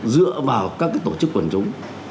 dựa vào các tổ chức quần chúng